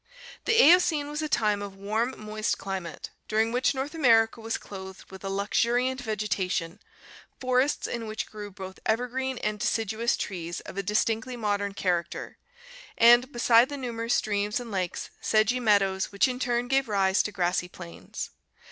The Eocene was a time of warm, moist cli mate, during which North America was clothed with a luxuriant vegetation, forests in which grew both evergreen and deciduous trees of a distinctly modern character, and, beside the ^fo^^f*^^ numerous streams and lakes, sedgy meadows hippus. One fourth which in turn gave rise to grassy plains.